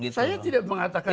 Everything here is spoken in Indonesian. saya tidak mengatakan